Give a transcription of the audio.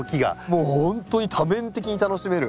もうほんとに多面的に楽しめる。